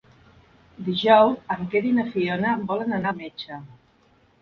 Dijous en Quer i na Fiona volen anar al metge.